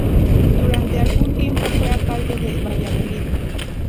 Durante algún tiempo, fue Alcalde de Valladolid.